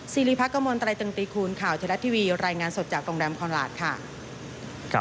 สิริพักกมลตรายตึงตีคูณข่าวเทราะทีวีรายงานสดจากโรงแรมคอนราชค่ะ